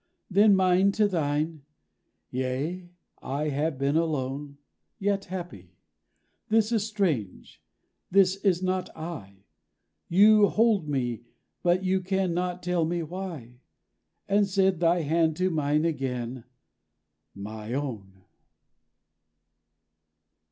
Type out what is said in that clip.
'_ _Then mine to thine. 'Yea, I have been alone; Yet happy. This is strange. This is not I! You hold me, but you can not tell me why.' And said thy hand to mine again, 'My Own.'